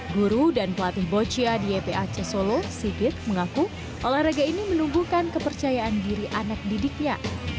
guru dan pelatih boccia di ypac solo sigit mengaku olahraga ini menumbuhkan kepercayaan diri anak didiknya